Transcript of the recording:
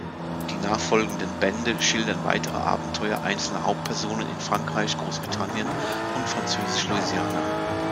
Die nachfolgenden Bände schildern weitere Abenteuer einzelner Hauptpersonen in Frankreich, Großbritannien und Französisch-Louisiana.